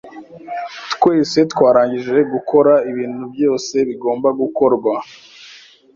Twese twarangije gukora ibintu byose bigomba gukorwa.